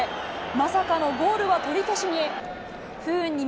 まさかのゴールは取り消しに。